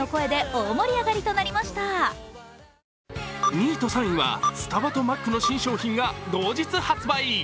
２位と３位はスタバとマックの新商品が同日発売。